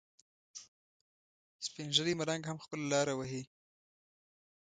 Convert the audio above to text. سپین ږیری ملنګ هم خپله لاره وهي.